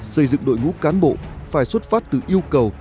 xây dựng đội ngũ cán bộ phải xuất phát từ yêu cầu